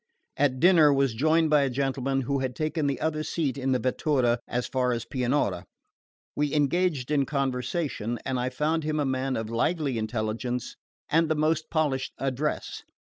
At dinner was joined by a gentleman who had taken the other seat in the vettura as far as Pianura. We engaged in conversation and I found him a man of lively intelligence and the most polished address.